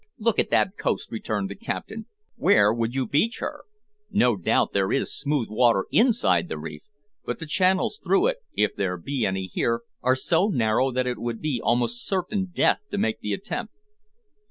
"Look at the coast," returned the captain; "where would you beach her? No doubt there is smooth water inside the reef, but the channels through it, if there be any here, are so narrow that it would be almost certain death to make the attempt."